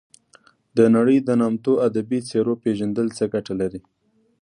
د نړۍ د نامتو ادبي څیرو پېژندل څه ګټه لري.